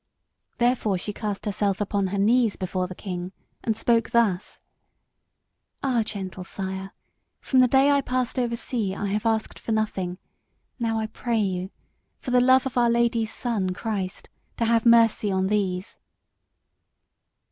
Therefore she cast herself upon her knees before the king, and spoke thus: "Ah, gentle sire, from the day I passed over sea I have asked for nothing; now I pray you, for the love of Our Lady's son Christ, to have mercy on these."